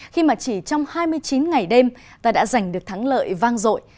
khi mà chỉ trong hai mươi chín ngày đêm ta đã giành được thắng lợi vang rội